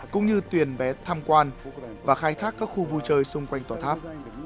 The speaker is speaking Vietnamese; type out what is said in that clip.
cũng như tuyển vé tham quan và khai thác các khu vui chơi xung quanh tòa tháp